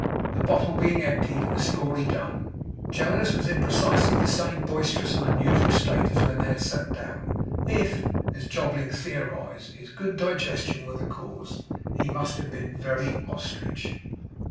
The bottle being emptied and the story done, Jonas was in precisely the same boisterous and unusual state as when they had sat down. If, as Jobling theorized, his good digestion were the cause, he must have been a very ostrich.